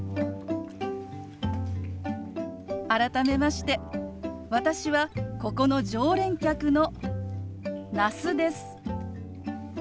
改めまして私はここの常連客の那須です。